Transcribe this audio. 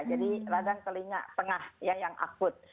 jadi radang telinga tengah yang akut